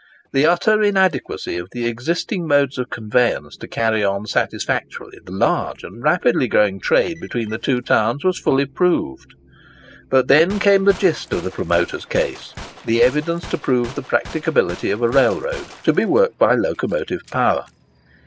The utter inadequacy of the existing modes of conveyance to carry on satisfactorily the large and rapidly growing trade between the two towns was fully proved. But then came the gist of the promoter's case—the evidence to prove the practicability of a railroad to be worked by locomotive power.